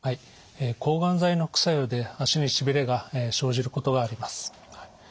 抗がん剤の副作用で足にしびれが生じることがあります。